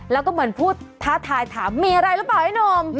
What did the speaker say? แล้วก็เหมือนพูดท้าทายถามมีอะไรหรือเปล่าไอ้หนุ่ม